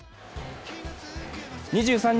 ２３日